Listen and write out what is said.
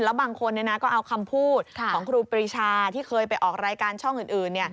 แล้วบางคนก็เอาคำพูดของครูปรีชาที่เคยไปออกรายการช่องอื่น